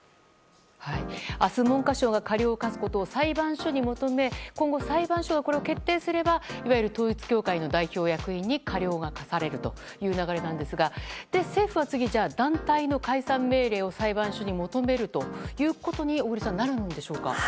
明日、文科省が過料を科すことを裁判所に求め、今後裁判所がこれを決定すればいわゆる統一教会の代表役員に過料が科されるという流れなんですが政府は次、団体の解散命令を裁判所に求めるということに小栗さん、なるんでしょうか？